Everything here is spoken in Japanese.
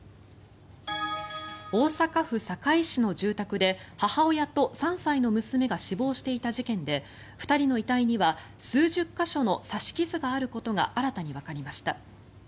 大阪府堺市の住宅で母親と３歳の娘が死亡していた事件で２人の遺体には数十か所の刺し傷があることが新たにわかりました。